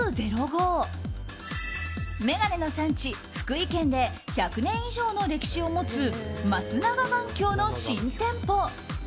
眼鏡の産地・福井県で１００年以上の歴史を持つ増永眼鏡の新店舗。